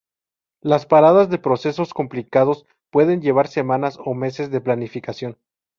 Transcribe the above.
Las paradas de procesos complicados pueden llevar semanas o meses de planificación.